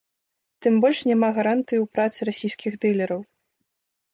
Тым больш няма гарантыі ў працы расійскіх дылераў.